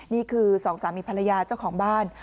นี่คือสองสามีภรรยาเจ้าของบ้าน